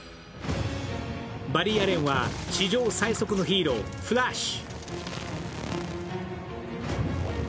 バリー・アレンは地上最速のヒーロー・フラッシュ。